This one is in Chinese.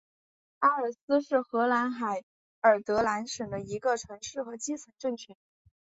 埃尔堡是荷兰海尔德兰省的一个城市和基层政权。